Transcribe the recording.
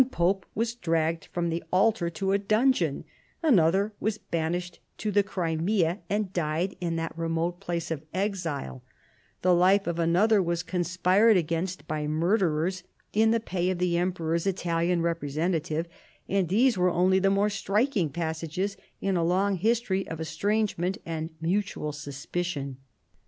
pope was dragged from tlio altar to a dungeon ; another was banished to the Crimea, and died in that remote phice of exile ; the life of another was conspired against by murderers in the pay of the emperor's Italian representative, and these were only the more striking passages in a long history of es trangement and mutual suspicion.